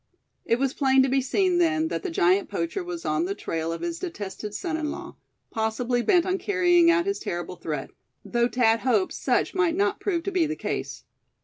It was plain to be seen, then, that the giant poacher was on the trail of his detested son in law, possibly bent on carrying out his terrible threat; though Thad hoped such might not prove to be the case.